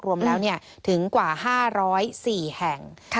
รวมแล้วถึงกว่า๕๐๔แห่ง